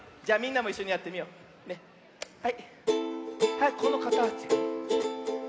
はいこのかたち。